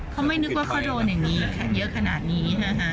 เขาไม่นึกว่าเขาโดนอย่างนี้เยอะขนาดนี้นะคะ